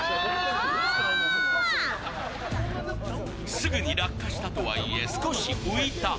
すぐに落下したとはいえ少し浮いた。